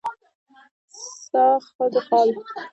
ستا خدوخال